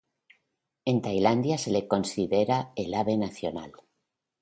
En Tailandia se le considera el ave nacional.